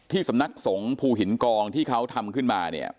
สำนักสงฆ์ภูหินกองที่เขาทำขึ้นมาเนี่ย